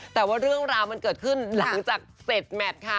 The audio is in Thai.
แต่ว่าเรื่องราวมันเกิดขึ้นหลังจากเสร็จแมทค่ะ